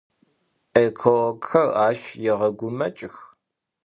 Экологхэр ащ егъэгумэкӏых.